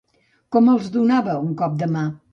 Com els donava un cop de mà?